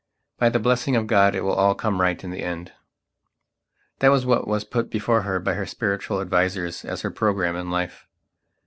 By the blessing of God it will all come right in the end." That was what was put before her by her spiritual advisers as her programme in life.